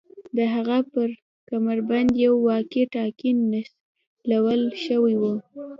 د هغه په کمربند یو واکي ټاکي نښلول شوی و